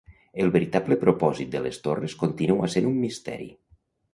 El veritable propòsit de les torres continua sent un misteri.